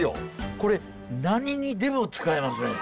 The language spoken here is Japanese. これ何にでも使えますね。